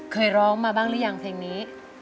เคยร้องมาบ้างหรือยังเพลงนี้